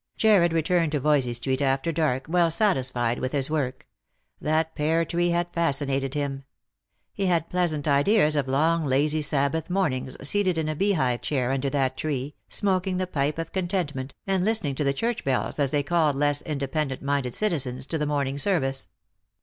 Jarred returned to Yoysey street after dark, well satisfied with his work. That pear tree had fascinated him. He had pleasant ideas of long lazy Sabbath mornings, seated in a bee hive chair under that tree, smoking the pipe of contentment, and listening to the church bells as they called less independent minded citizens to the morning service.